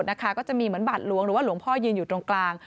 ต้องจะมีบาดหลวงหรือว่าหลวงพ่อยืนอยู่ตรงกลาง